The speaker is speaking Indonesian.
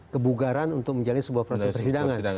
kebugaran untuk menjalani sebuah proses persidangan